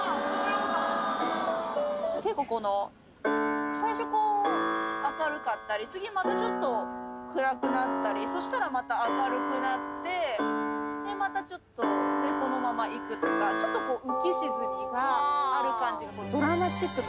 結構この最初こう明るかったり次またちょっと暗くなったりそしたらまた明るくなってまたちょっとこのままいくとかちょっとはぁ！